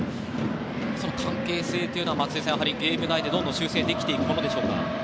その関係性は松井さん、ゲーム内でどんどん修正できているものでしょうか。